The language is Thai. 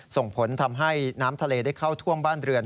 ส่งผลทำให้น้ำทะเลได้เข้าท่วมบ้านเรือน